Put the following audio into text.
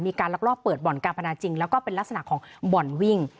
ลักลอบเปิดบ่อนการพนันจริงแล้วก็เป็นลักษณะของบ่อนวิ่ง